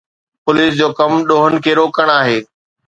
Police جو ڪم ڏوهن کي روڪڻ آهي.